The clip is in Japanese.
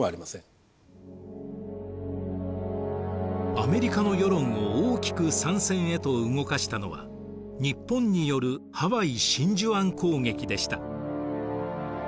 アメリカの世論を大きく参戦へと動かしたのは日本によるハワイ真珠湾攻撃でした。